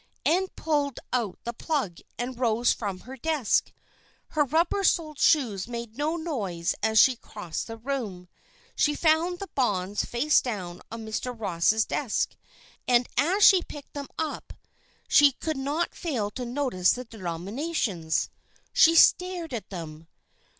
Ann pulled out the plug and rose from her desk. Her rubber soled shoes made no noise as she crossed the room. She found the bonds face down on Mr. Ross's desk, and as she picked them up she could not fail to notice the denominations. She stared at them.